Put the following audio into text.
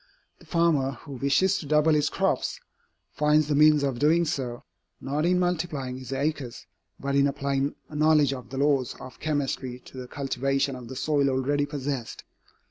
The farmer who wishes to double his crops, finds the means of doing so, not in multiplying his acres, but in applying a knowledge of the laws of chemistry to the cultivation of the soil already possessed.